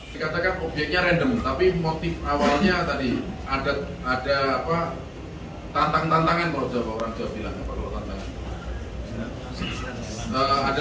dikatakan obyeknya random tapi motif awalnya tadi ada tantang tantangan menurut saya